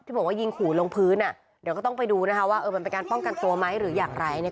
บอกว่ายิงขู่ลงพื้นอ่ะเดี๋ยวก็ต้องไปดูนะคะว่าเออมันเป็นการป้องกันตัวไหมหรืออย่างไรเนี่ย